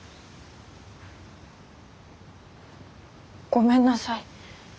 ごめんなさい。